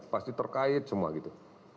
pasti terkait semua gitu